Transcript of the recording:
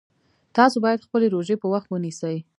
تاسو باید خپلې روژې په وخت ونیسئ